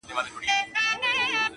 څه به کوو؟!!